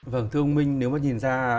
vâng thưa ông minh nếu mà nhìn ra